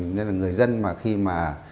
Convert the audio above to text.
nên là người dân mà khi mà